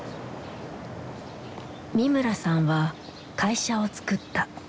三村さんは会社を作った。